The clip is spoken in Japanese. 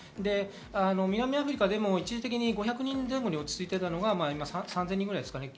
南アフリカでも一時的に５００人前後に落ち着いているのが３０００人くらいですかね。